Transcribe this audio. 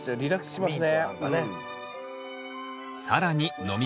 きますね。